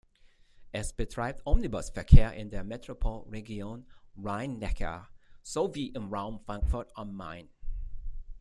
Es betreibt Omnibusverkehr in der Metropolregion Rhein-Neckar sowie im Raum Frankfurt am Main.